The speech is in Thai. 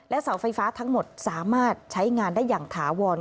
เสาไฟฟ้าทั้งหมดสามารถใช้งานได้อย่างถาวร